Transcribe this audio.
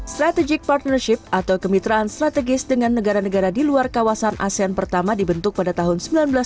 strategic partnership atau kemitraan strategis dengan negara negara di luar kawasan asean pertama dibentuk pada tahun seribu sembilan ratus sembilan puluh